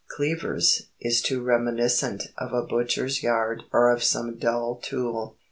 "Cleavers" is too reminiscent of a butcher's yard or of some dull tool.